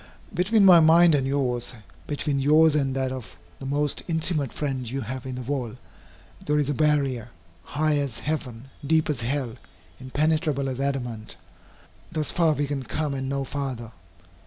Between my mind and yours, between yours and that of the most intimate friend you have in the world, there is a barrier, high as heaven, deep as hell, impenetrable as adamant. Thus far can we come and no farther.